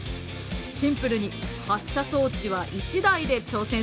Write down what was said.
シンプルに発射装置は１台で挑戦します。